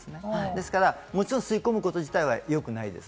ですから、もちろん吸い込むこと自体は、よくないです。